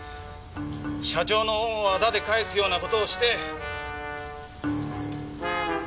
社長の恩をあだで返すような事をして。